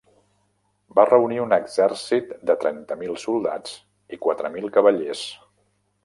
Va reunir un exèrcit de trenta mil soldats i quatre mil cavallers.